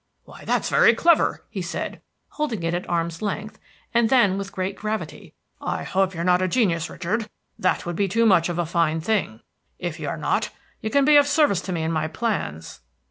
"Why, that's very clever!" he said, holding it at arms' length; and then, with great gravity, "I hope you are not a genius, Richard; that would be too much of a fine thing. If you are not, you can be of service to me in my plans."